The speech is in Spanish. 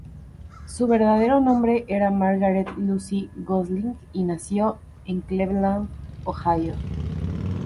Su verdadero nombre era Margaret Lucy Gosling, y nació en Cleveland, Ohio.